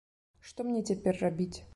Што мне цяпер рабіць?